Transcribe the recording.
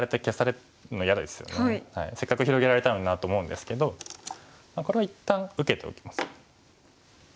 せっかく広げられたのになって思うんですけどこれは一旦受けておきます。